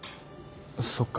そっか。